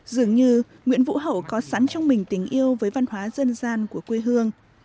dường như nguyễn vũ hậu có sẵn trong mình tình yêu với văn hóa dân gian của quê hương